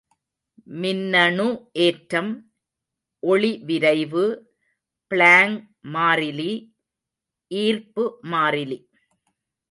மின்னணு ஏற்றம், ஒளிவிரைவு, பிளாங் மாறிலி, ஈர்ப்பு மாறிலி.